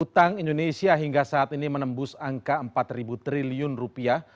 utang indonesia hingga saat ini menembus angka empat triliun rupiah